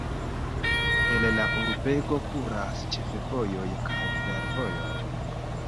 El la urbego kuras ĉefvojoj kaj fervojoj.